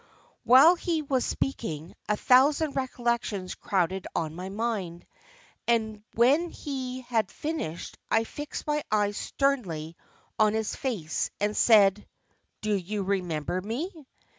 While he was speaking, a thousand recollections crowded on my mind, and when he had finished I fixed my eyes sternly on his face and said, 'Do you remember me?